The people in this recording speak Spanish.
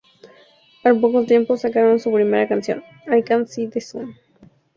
Al poco tiempo sacaron su primera canción "I Can See the Sun".